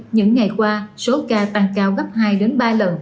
những ngày qua số ca tăng cao gấp hai đến ba lần